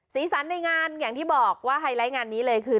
สีสันในงานอย่างที่บอกว่าไฮไลท์งานนี้เลยคือ